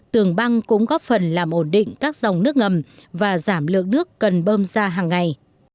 tường băng cũng góp phần làm ổn định các dòng nước ngầm và giảm lượng nước cần bơm ra hàng ngày